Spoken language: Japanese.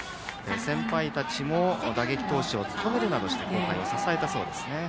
先輩たちも打撃投手を務めるなどして後輩を支えたそうです。